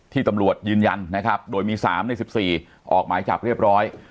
ที่ตำรวจยืนยันนะครับโดยมีสามในสิบสี่ออกหมายจับเรียบร้อย